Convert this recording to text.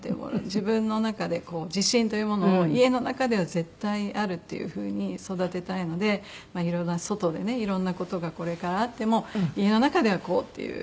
自分の中で自信というものを家の中では絶対あるっていう風に育てたいのでいろんな外でねいろんな事がこれからあっても家の中ではこうっていう。